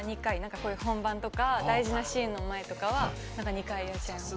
こういう本番とか大事なシーンの前とかは何か２回やっちゃいます。